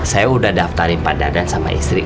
saya udah daftarin pak dadan sama istri